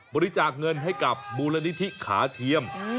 บริจาคเงินให้กับมูลนิธิขาเทียม